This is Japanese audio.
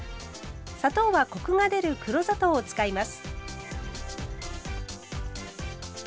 砂糖はコクが出る黒砂糖を使います。